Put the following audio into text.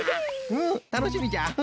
うんたのしみじゃ。